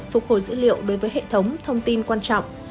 phục hồi dữ liệu đối với hệ thống thông tin quan trọng